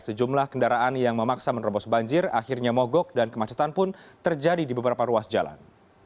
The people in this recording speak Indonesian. sejumlah kendaraan yang memaksa menerobos banjir akhirnya mogok dan kemacetan pun terjadi di beberapa ruas jalan